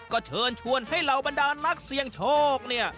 ก็เชิญชวนให้เหล่าบรรดานักเสี่ยงโชคเนี่ย